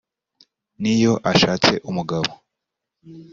niyo ashatse umugabo